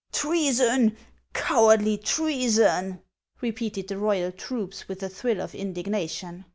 " Treason ! Cowardly treason !" repeated the royal troops, with a thrill of indignation.